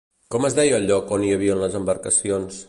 Com es deia el lloc on hi havia les embarcacions?